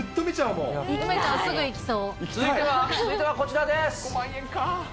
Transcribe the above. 続いてはこちらです。